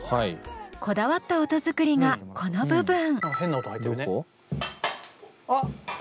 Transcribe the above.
こだわった音作りがこの部分。